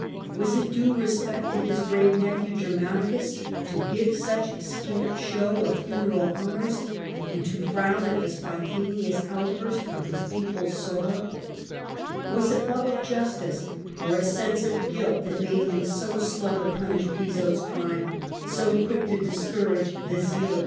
Was it due respect to his brave nephew to give such scant show of funeral honours, and to frown at the spontaneous outburst of his people's sorrow ? Was it love of justice or a sense of guilt that made him so slow to punish Piso's crime, so quick to discourage the zeal of 54 The Earlier E^npire. a.d. 14 ;, 7.